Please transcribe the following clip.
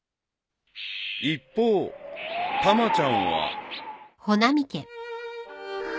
［一方たまちゃんは］ハァ。